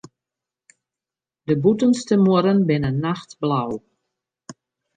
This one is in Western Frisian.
De bûtenste muorren binne nachtblau.